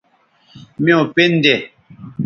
میوں پِن دے